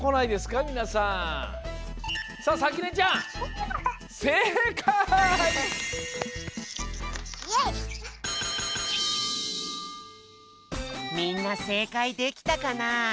みんなせいかいできたかな？